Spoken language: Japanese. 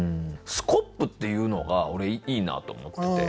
スコップっていうのが俺いいなと思ってて。